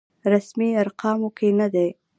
رسمي ارقامو کې نه دی.